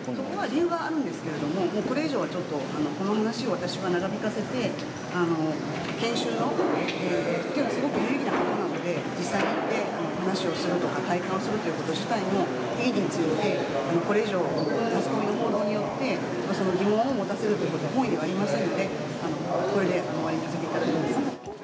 そこは理由はあるんですけれども、これ以上はちょっと、この話を私が長引かせて、研修の、というのはすごく有意義なことなので、実際に行って話をするとか、体感をするということ自体の定義について、これ以上、マスコミの報道によって疑問を持たせるということは本意ではありませんので、これで終わりにさせていただきます。